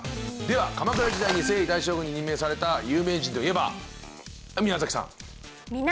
では鎌倉時代に征夷大将軍に任命された有名人といえば？